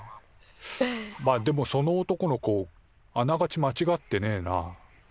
まっでもその男の子あながちまちがってねえな。